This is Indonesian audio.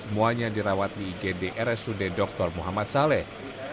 muanya dirawat di igd rsud dr muhammad saleh